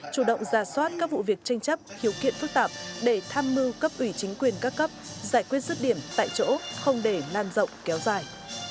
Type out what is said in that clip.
chủ động ra soát các vụ việc tranh chấp khiếu kiện phức tạp để tham mưu cấp ủy chính quyền các cấp giải quyết rứt điểm tại chỗ không để lan rộng kéo dài